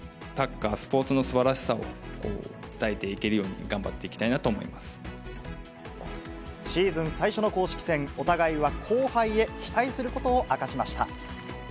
サッカー、スポーツのすばらしさを伝えていけるように頑張っていきたいなとシーズン最初の公式戦、お互いは後輩へ、期待することを明かしました。